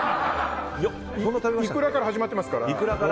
イクラから始まってますから。